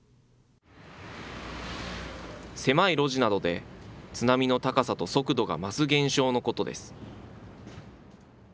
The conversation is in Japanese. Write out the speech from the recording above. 狭い路地などで、津波の高さと速度が増す現象のことです。